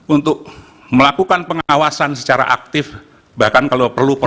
untuk melakukan pengawasan secara aktif bahkan kalau perlu